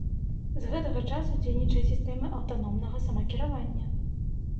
З гэтага часу дзейнічае сістэма аўтаномнага самакіравання.